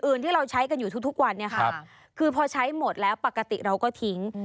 อื่นที่เราใช้กันอยู่ทุกวันคือพอใช้หมดแล้วปกติเราก็ทิ้ง